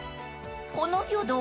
［この魚道